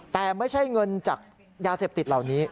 แต่ไม่ใช่เงินจากยาเสพติดเหล่านี้